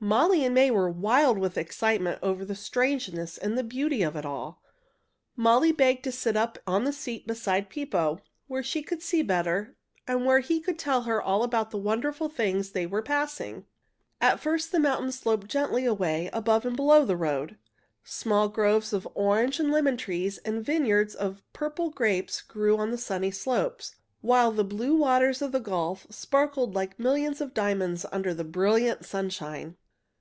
Molly and May were wild with excitement over the strangeness and beauty of it all. Molly begged to sit up on the seat beside Pippo, where she could see better and where he could tell her all about the wonderful things they were passing. At first the mountains sloped gently away, above and below the road. Small groves of orange and lemon trees and vineyards of purple grapes grew on the sunny slopes, while the blue waters of the gulf sparkled like millions of diamonds under the brilliant sunshine.